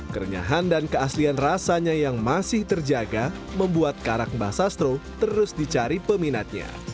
kerenyahan dan keaslian rasanya yang masih terjaga membuat karak mbah sastro terus dicari peminatnya